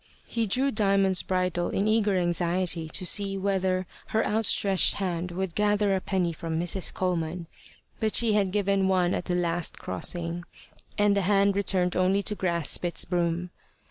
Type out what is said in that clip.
He drew Diamond's bridle in eager anxiety to see whether her outstretched hand would gather a penny from Mrs. Coleman. But she had given one at the last crossing, and the hand returned only to grasp its broom.